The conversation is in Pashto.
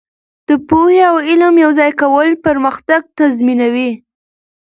د پوهې او عمل یوځای کول پرمختګ تضمینوي.